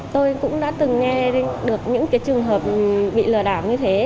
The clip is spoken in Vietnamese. tôi cũng đã từng nghe được những trường hợp bị lừa đảo như thế